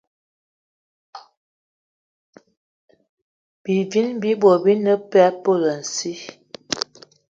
Bivini bi bot bi ne peg a poulassi